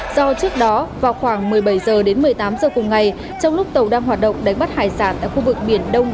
do trước đó vào khoảng một mươi bảy h đến một mươi tám h cùng ngày trong lúc tàu đang hoạt động đánh bắt hải sản tại khu vực biển đông